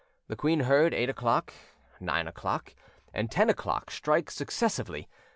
The queen heard eight o'clock, nine o'clock, and ten o'clock strike successively.